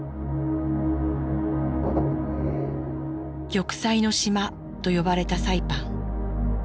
「玉砕の島」と呼ばれたサイパン。